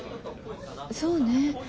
そうねぇ。